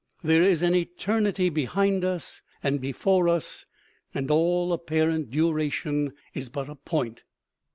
There is an eternity behind us and before us, and all apparent duration is but a point.